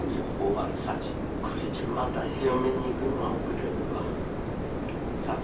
これでまた嫁に行くのが遅れるわ。